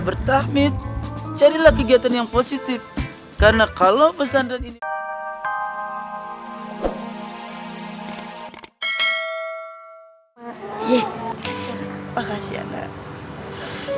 bertahmid carilah kegiatan yang positif karena kalau pesan dan ini ya makasih